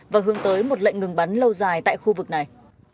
và hướng tới một lệnh ngừng bắn lâu dài tại khu vực này